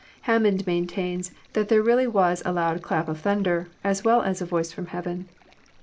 Hammond maintains that there really was a loud clap of thunder, as well as a voice from heaven.